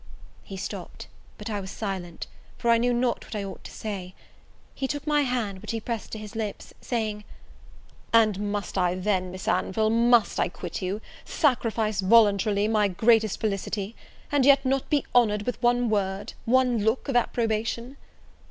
He stopped; but I was silent, for I knew not what I ought to say. He took my hand, which he pressed to his lips, saying, "And must I then, Miss Anville, must I quit you sacrifice voluntarily my greatest felicity: and yet not be honoured with one word, one look of approbation?"